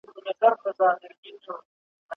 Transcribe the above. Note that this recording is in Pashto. ¬ يوه خبره د بلي خور ده.